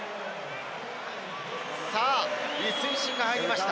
さあ、李承信が入りました。